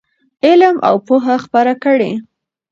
علم او پوهه خپره کړئ.